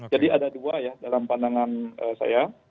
jadi ada dua ya dalam pandangan saya